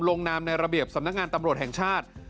นามในระเบียบสำนักงานตำรวจแห่งชาติ